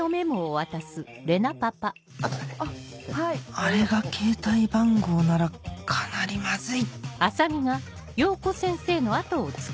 あれが携帯番号ならかなりマズい